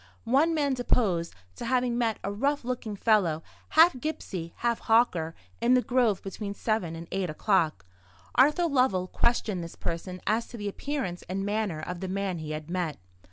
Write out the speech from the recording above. One man deposed to having met a rough looking fellow, half gipsy, half hawker, in the grove between seven and eight o'clock. Arthur Lovell questioned this person as to the appearance and manner of the man he had met.